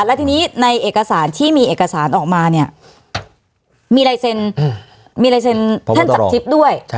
และทีนี้ในเอกสารที่มีเอกสารออกมาเนี่ยมีลายเซ็นมีลายเซ็นท่านจากทิพย์ด้วย